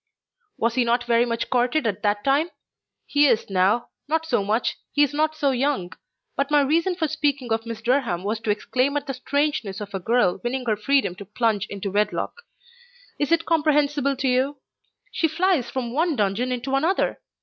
"Was he not very much courted at that time? He is now; not so much: he is not so young. But my reason for speaking of Miss Durham was to exclaim at the strangeness of a girl winning her freedom to plunge into wedlock. Is it comprehensible to you? She flies from one dungeon into another.